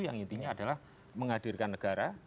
yang intinya adalah menghadirkan negara